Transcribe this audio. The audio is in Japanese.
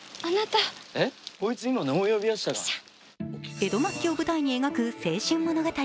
江戸末期を舞台に描く青春物語。